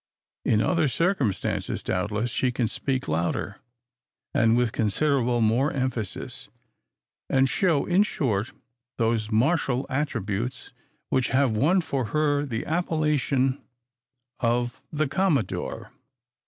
In other circumstances, doubtless, she can speak louder, and with considerable more emphasis; and show, in short, those martial attributes which have won for her the appellation of the "Commodore."